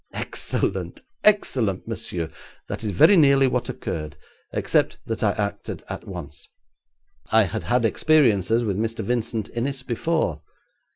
'Excellent! excellent, monsieur! that is very nearly what occurred, except that I acted at once. I had had experiences with Mr. Vincent Innis before.